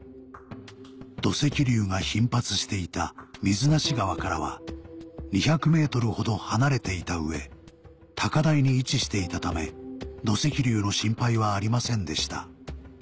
土石流が頻発していた水無川からは２００ｍほど離れていた上高台に位置していたため土石流の心配はありませんでした